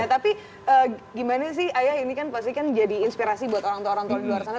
tapi gimana sih ayah ini kan pasti kan jadi inspirasi buat orang tua orang tua di luar sana